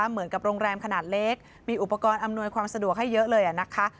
เหมือนกับโรงแรมขนาดเล็กมีอุปกรณ์อำนวยความสะดวกให้เยอะเลยนะคะ